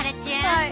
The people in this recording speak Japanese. はい。